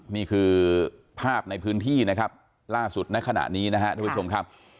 นี่คือภาพในพื้นที่ล่าสุดณขณะนี้ทุกผู้ชมครับ